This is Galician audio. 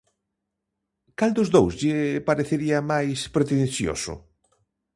Cal dos dous lle parecería máis pretensioso?